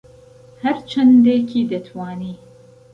ههر چهندێکی دهتوانی